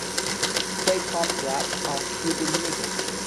Play pop-rap off Google Music.